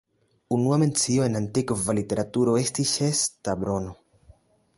Unua mencio en antikva literaturo estis ĉe Strabono.